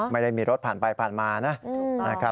ไม่ได้มีรถผ่านไปผ่านมานะครับ